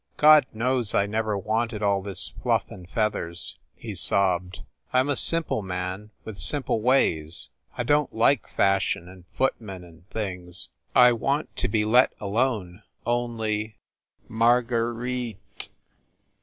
"God knows I never wanted all this fluff and feathers," he sobbed. "I m a simple man with sim ple ways. I don t like fashion and footmen and things I want to be let alone only, Mar guer ite